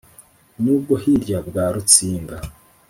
n’ubwo hirya bwa rutsinga